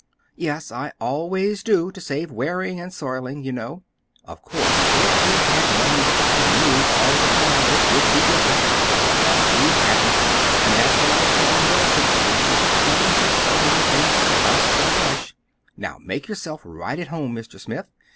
"Yes, I always do—to save wearing and soiling, you know. Of course, if we had money to buy new all the time, it would be different. But we haven't. And that's what I tell Mellicent when she complains of so many things to dust and brush. Now make yourself right at home, Mr. Smith.